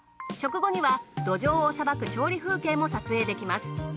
食後にはどじょうをさばく調理風景も撮影できます。